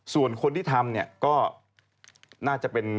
ส่วนคนที่ทำเนี่ยก็น่าจะเป็น